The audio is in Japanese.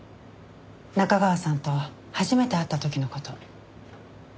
中川さんと初めて会った時の事。